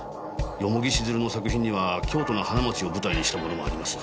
蓬城静流の作品には京都の花街を舞台にしたものもあります。